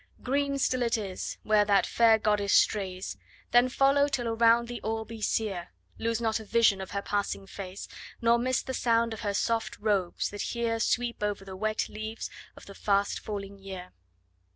'Green still it is, where that fair goddess strays; Then follow, till around thee all be sere. Lose not a vision of her passing face; Nor miss the sound of her soft robes, that here Sweep over the wet leaves of the fast falling year.'